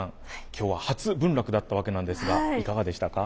今日は初文楽だったわけなんですがいかがでしたか。